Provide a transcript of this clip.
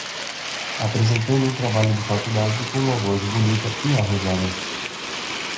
Apresentando um trabalho de faculdade com uma voz bonita e arrojada